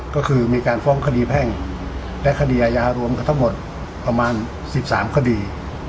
ก็คือมีการฟ้องคดีแพ่งและคดีอาญารวมกันทั้งหมดประมาณ๑๓คดี